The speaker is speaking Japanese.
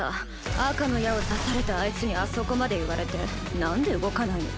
赤の矢を刺されたあいつにあそこまで言われて何で動かないの？